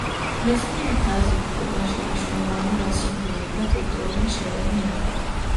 მეცნიერთა აზრით, კუბაში მნიშვნელოვანი რასობრივი და კულტურული შერევა მოხდა.